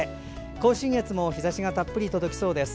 甲信越も日ざしがたっぷり届きそうです。